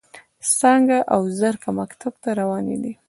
څانګه او زرکه مکتب ته روانې دي.